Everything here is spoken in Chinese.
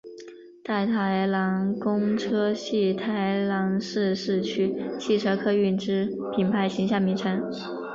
大台南公车系台南市市区汽车客运之品牌形象名称。